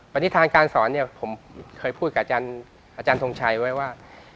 ปฏิฐานการสอนเนี่ยผมเคยพูดกับอาจารย์ทงชัยไว้ว่า